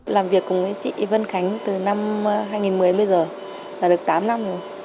làm việc cùng với chị vân khánh từ năm hai nghìn một mươi bây giờ là được tám năm rồi